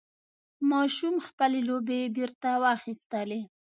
ماشوم خپل لوبعې بېرته واخیستلې.